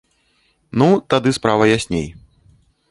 Ну, тады справа ясней.